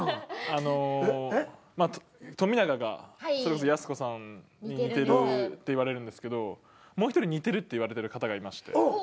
あの富永がやす子さんに似てるって言われるんですけどもう一人似てるって言われてる方がいまして。